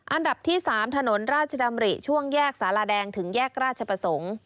อันดับที่๓ถนนราชดำริช่วงแยกสาราแดงถึงแยกราชประสงค์